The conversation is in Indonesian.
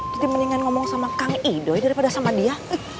kita mendingan ngomong sama kang idoi daripada sama dia